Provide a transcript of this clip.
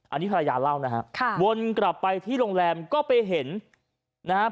อันนี้ภรรยาเล่านะฮะค่ะวนกลับไปที่โรงแรมก็ไปเห็นนะครับ